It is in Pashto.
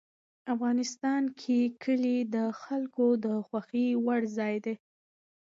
افغانستان کې کلي د خلکو د خوښې وړ ځای دی.